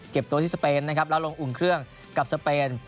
ตัวที่สเปนนะครับแล้วลงอุ่นเครื่องกับสเปน